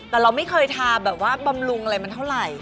แต่เราไม่เคยทาแบบว่าบำรุงอะไรมันเท่าไหร่